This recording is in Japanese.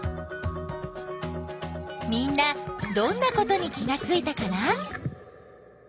みんなどんなことに気がついたかな？